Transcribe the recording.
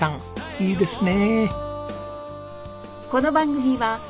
いいですね。